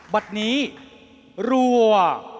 บัตรนี้รัว